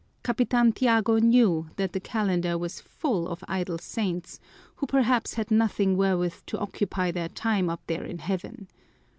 Capitan Tiago knew that the calendar was full of idle saints who perhaps had nothing wherewith to occupy their time up there in heaven.